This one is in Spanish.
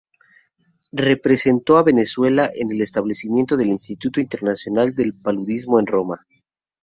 Representó a Venezuela en el establecimiento del Instituto Internacional del Paludismo en Roma.